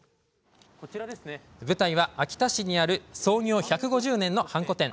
舞台は秋田市にある創業１５０年のハンコ店。